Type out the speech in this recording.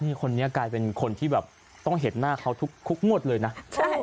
นี่คนนี้กลายเป็นคนที่แบบต้องเห็นหน้าเขาทุกทุกงวดเลยนะใช่